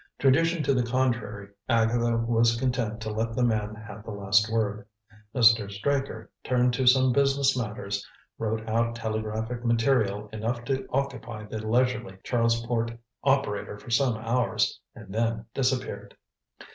Tradition to the contrary, Agatha was content to let the man have the last word. Mr. Straker turned to some business matters, wrote out telegraphic material enough to occupy the leisurely Charlesport operator for some hours, and then disappeared.